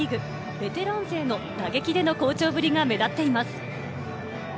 ベテラン勢の打撃での好調ぶりが目立っています。